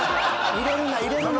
入れるな入れるな。